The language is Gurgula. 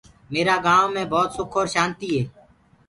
ميرآ گائونٚ مي ڀوت سُک اور شآنتي هي۔